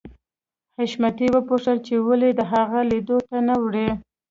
حشمتي وپوښتل چې ولې د هغه لیدو ته نه ورې